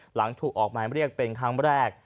หลังถูกออกหมายเรียกเป็นครั้งแรก